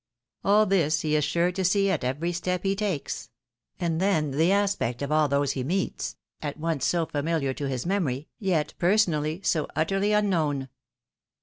All this he is sure to see at every step he takes ; and then the aspect of all those he meets, at once so familiar to his memory, yet personally so utterly unknown.